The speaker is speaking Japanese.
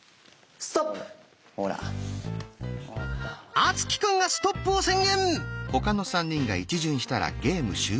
敦貴くんがストップを宣言！